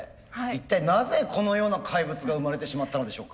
一体なぜこのような怪物が生まれてしまったのでしょうか。